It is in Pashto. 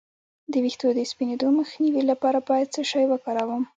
د ویښتو د سپینیدو مخنیوي لپاره باید څه شی وکاروم؟